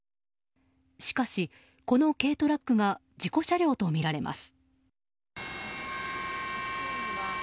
しかし、この軽トラックが事故車両とみられます。